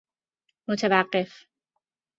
متوقف